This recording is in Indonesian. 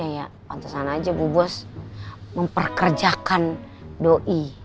ya pantasan aja bu bos memperkerjakan doi